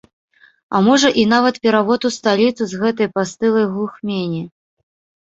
А можа і нават перавод у сталіцу з гэтай пастылай глухмені.